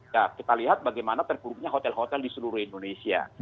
ya kita lihat bagaimana terpuruknya hotel hotel di seluruh indonesia